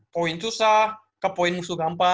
poin susah ke poin musuh kamu